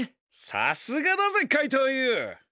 さすがだぜかいとうＵ。